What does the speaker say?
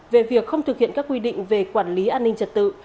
về việc không thực hiện các quy định về quản lý an ninh trật tự